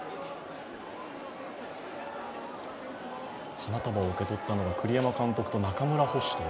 花束を受け取ったのが栗山監督と中村捕手。